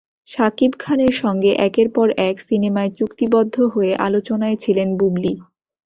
শাকিব খানের সঙ্গে একের পর এক সিনেমায় চুক্তিবদ্ধ হয়ে আলোচনায় ছিলেন বুবলী।